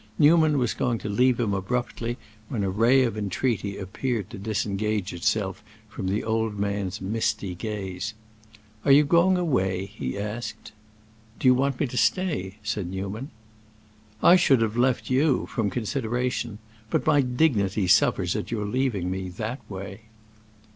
Newman was going to leave him abruptly, when a ray of entreaty appeared to disengage itself from the old man's misty gaze. "Are you going away?" he asked. "Do you want me to stay?" said Newman. "I should have left you—from consideration. But my dignity suffers at your leaving me—that way."